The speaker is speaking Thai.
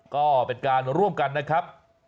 ก็เป็นการร่วมกันนะครับ